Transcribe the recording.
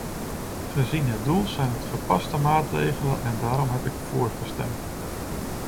Gezien het doel zijn het gepaste maatregelen en daarom heb ik voorgestemd.